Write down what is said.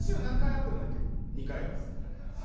２回です。